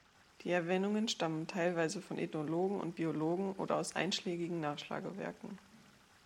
Die Erwähnungen stammen teilweise von Ethnologen und Biologen oder aus einschlägigen Nachschlagewerken.